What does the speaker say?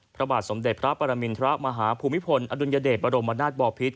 พระบาทสมเด็จพระปรมินทรมาฮภูมิพลอดุลยเดชบรมนาศบอพิษ